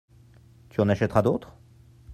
Tu en achèteras d'autres ?